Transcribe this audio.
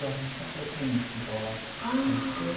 これ次抜きが利いて。